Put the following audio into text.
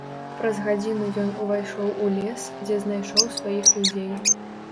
Праз гадзіну ён увайшоў у лес, дзе знайшоў сваіх людзей.